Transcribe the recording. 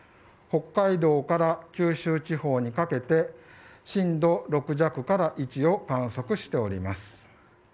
北海道から九州地方にかけて震度６弱からいちを観測しております。